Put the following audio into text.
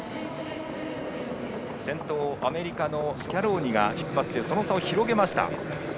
先頭アメリカのスキャローニが引っ張ってその差を広げました。